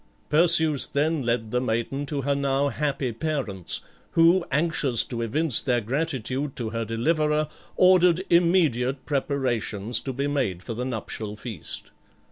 Perseus then led the maiden to her now happy parents, who, anxious to evince their gratitude to her deliverer ordered immediate preparations to be made for the nuptial feast.